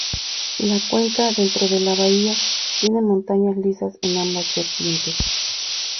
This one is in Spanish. La cuenca dentro de la bahía tiene montañas lisas en ambas vertientes.